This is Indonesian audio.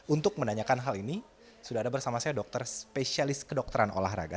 untuk menanyakan hal ini sudah ada bersama saya dokter spesialis kedokteran olahraga